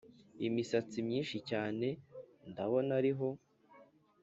imisatsi myinshi cyane ndabona, iriho